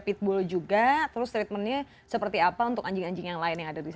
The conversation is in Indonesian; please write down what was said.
pitbull juga terus treatmentnya seperti apa untuk anjing anjing yang lain yang ada di sana